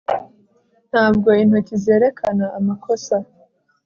ntabwo intoki zerekana amakosa